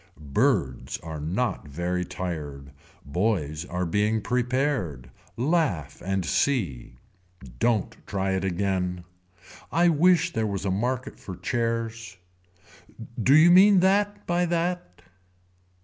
Birds are not very tired. Boys are being prepared. Laugh and see. Don't try it again. I wish there was a market for chairs. Do you mean that by that.